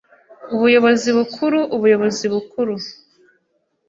Ubuyobozi Bukuru Ubuyobozi Bukuru